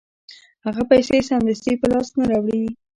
هغه پیسې سمدستي په لاس نه راوړي